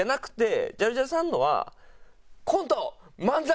ジャルジャルさんのはコント「漫才」！